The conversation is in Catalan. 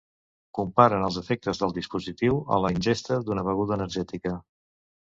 Comparen els efectes del dispositiu a la ingesta d’una beguda energètica.